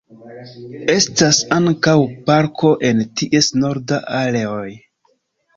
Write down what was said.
Estas ankaŭ parko en ties norda areoj.